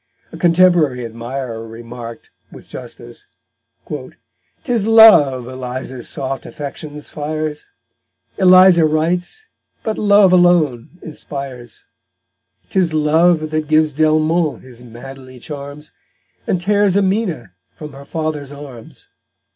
A contemporary admirer remarked, with justice: '_Tis Love Eliza's soft Affections fires; Eliza writes, but Love alone inspires; 'Tis Love that gives D'Elmont his manly Charms, And tears Amena from her Father's Arms_.